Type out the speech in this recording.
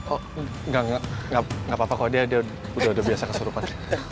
oh gapapa kok dia udah biasa kesurupan